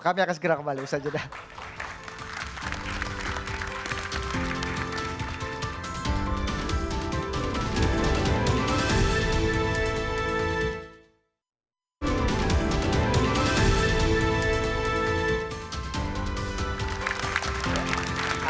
kami akan segera kembali bersanjur dah